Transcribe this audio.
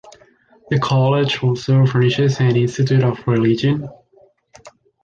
The college also furnishes an Institute of Religion.